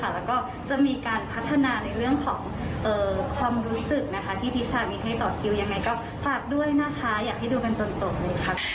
แล้วก็จะมีการพัฒนาในเรื่องของความรู้สึกนะคะที่ทิชามีให้ต่อคิวยังไงก็ฝากด้วยนะคะอยากให้ดูกันจนจบเลยค่ะ